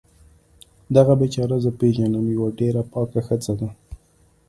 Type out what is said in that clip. دغه بیچاره زه پیږنم یوه ډیره پاکه ښځه ده